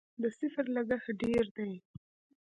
د سفر لګښت ډیر دی؟